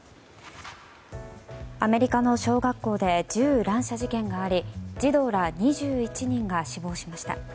アメリカの小学校で銃乱射事件があり児童ら２１人が死亡しました。